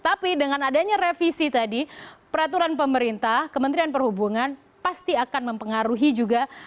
tapi dengan adanya revisi tadi peraturan pemerintah kementerian perhubungan pasti akan mempengaruhi juga